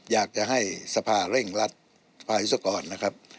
อยากจะให้สภาเร่งรัฐสภาวิศวกรนะครับ